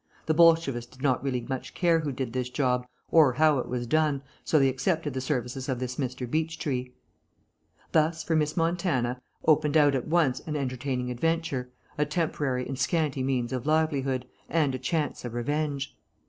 The Bolshevist did not really much care who did this job, or how it was done, so they accepted the services of this Mr. Beechtree. Thus, for Miss Montana, opened out at once an entertaining adventure, a temporary and scanty means of livelihood, and a chance of revenge.